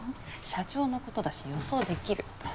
社長の事だし予想できる。